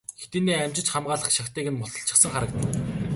Хэдийнээ амжиж хамгаалах чагтыг нь мулталчихсан харагдана.